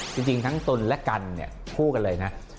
จริงทั้งตนและกันเนี่ยคู่กันเลยนะ